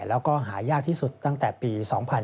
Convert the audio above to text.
แล้วก็หายากที่สุดตั้งแต่ปี๒๕๕๙